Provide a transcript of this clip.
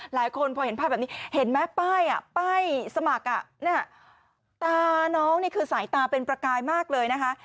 หลายคนพอเห็นภาพแบบนี้เห็นไหมป้ายป้ายสมัครตาน้องนี่คือสายตาเป็นประกายมากเลยนะคะ